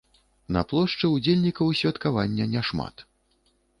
На плошчы ўдзельнікаў святкавання няшмат.